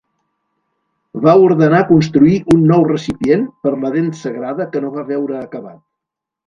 Va ordenar construir un nou recipient per la Dent Sagrada que no va veure acabat.